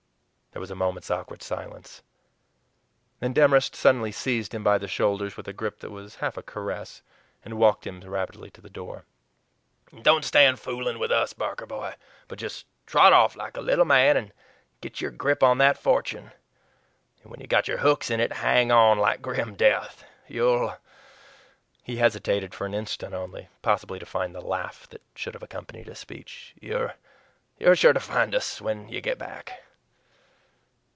There was a moment's awkward silence. Then Demorest suddenly seized him by the shoulders with a grip that was half a caress, and walked him rapidly to the door. "And now don't stand foolin' with us, Barker boy; but just trot off like a little man, and get your grip on that fortune; and when you've got your hooks in it hang on like grim death. You'll" he hesitated for an instant only, possibly to find the laugh that should have accompanied his speech "you're sure to find US here when you get back."